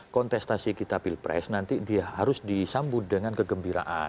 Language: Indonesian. kontestasi kita pilpres nanti dia harus disambut dengan kegembiraan